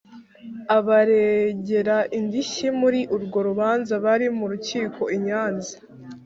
Abaregera indishyi muri urwo rubanza bari mu rukiko i Nyanza